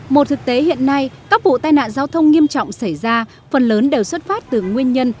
một thực tế hiện nay các vụ tai nạn giao thông nghiêm trọng xảy ra phần lớn đều xuất phát từ nguyên nhân